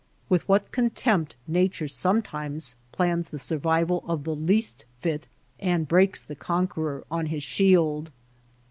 With what contempt Nature sometimes plans the survival of the least fit, and breaks the conqueror on his shield